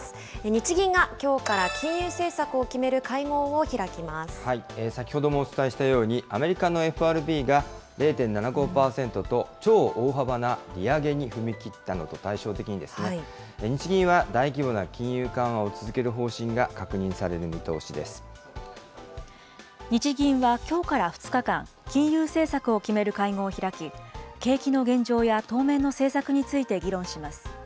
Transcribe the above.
日銀がきょうから金融政策を決め先ほどもお伝えしたように、アメリカのＦＲＢが、０．７５％と、超大幅な利上げに踏み切ったのと対照的に、日銀は大規模な金融緩和を続ける方針が確認される日銀はきょうから２日間、金融政策を決める会合を開き、景気の現状や当面の政策について議論します。